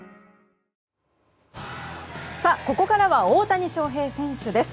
さあ、ここからは大谷翔平選手です。